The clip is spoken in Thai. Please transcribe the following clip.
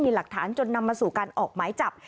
มีหลักฐานจนนำมาสู่การออกหมายจับ